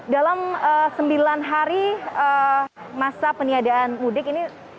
dalam sembilan hari masa peniadaan mudik ini